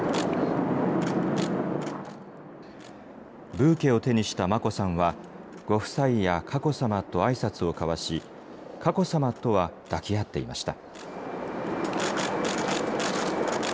ブーケを手にした眞子さんは、ご夫妻や佳子さまとあいさつを交わし、佳子さまとは抱き合っていました。